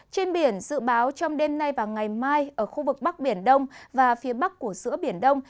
trên biển dự báo trong đêm nay và ngày mai ở khu vực bắc biển đông và phía bắc của giữa biển đông